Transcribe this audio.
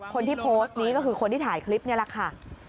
คนที่โพสต์นี้ก็คือคนที่ถ่ายคลิปนี่แหละค่ะ